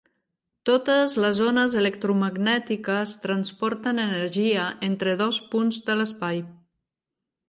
Totes les ones electromagnètiques transporten energia entre dos punts de l'espai.